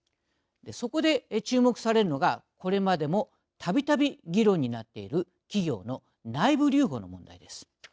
そこで、注目されるのがこれまでもたびたび議論になっている企業の内部留保の問題です。